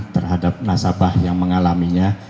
terhadap nasabah yang mengalaminya